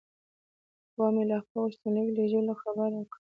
حوا مې له خپل غوښتنلیک لېږلو خبره کړه.